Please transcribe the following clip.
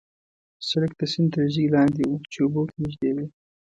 سړک د سیند تر ژۍ لاندې وو، چې اوبه ورته نژدې وې.